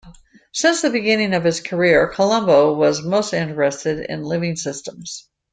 Since the beginning of his career Colombo was most interested in living systems.